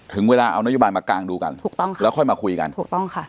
ถึงเวลาเอานโยบายมากลางดูกันแล้วค่อยมาคุยกัน